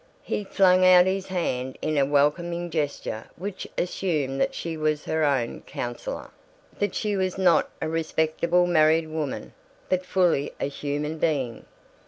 He flung out his hand in a welcoming gesture which assumed that she was her own counselor, that she was not a Respectable Married Woman but fully a human being.